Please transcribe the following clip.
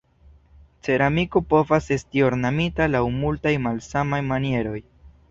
Ceramiko povas esti ornamita laŭ multaj malsamaj manieroj.